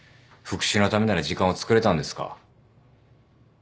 復讐のためなら時間をつくれたんですか？